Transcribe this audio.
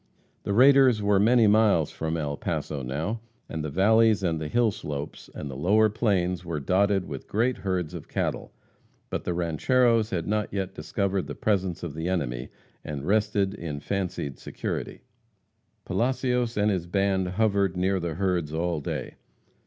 The raiders were many miles from El Paso now, and the valleys and the hill slopes, and the lower plains were dotted with great herds of cattle. But the rancheros had not yet discovered the presence of the enemy, and rested in fancied security. [Illustration: An Alarmed "Cow Boy."] Palacios and his band hovered near the herds all day.